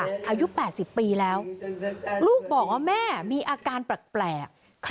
อายุ๘๐ปีแล้วลูกบอกว่าแม่มีอาการแปลก